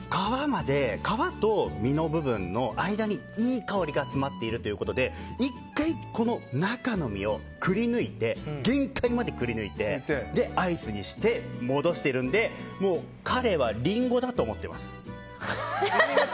皮と実の部分の間にいい香りが詰まっているということで１回、中の実を限界までくり抜いてアイスにして戻しているのでもう彼はリンゴだと思ってます。